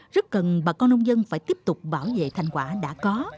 rất cần bà con nông dân phải tiếp tục bảo vệ thành quả đã có